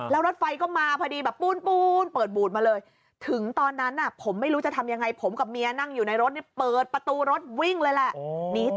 แล้วรถไฟก็มาพอดีแบบปูนเปิดบูนมาเลยถึงตอนนั้นผมไม่รู้จะทำยังไง